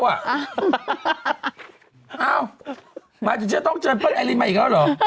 หมายคุณจะต้องเชิญเป็ลไอรินมาอีกแล้วหรือ